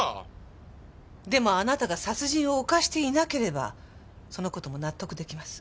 でもあなたが殺人を犯していなければその事も納得できます。